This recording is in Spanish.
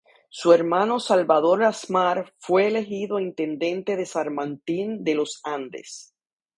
Su hermano Salvador Asmar fue elegido intendente de San Martín de los Andes.